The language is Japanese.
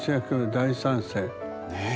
ねえ！